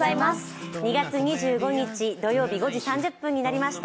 ２月２５日土曜日５時３０分になりました。